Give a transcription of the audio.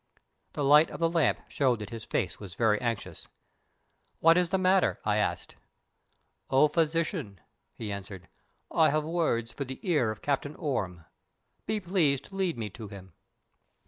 The light of the lamp showed that his face was very anxious. "What is the matter?" I asked. "O Physician," he answered, "I have words for the ear of the Captain Orme. Be pleased to lead me to him."